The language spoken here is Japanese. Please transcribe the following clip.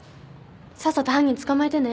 さっさと犯人捕まえてね。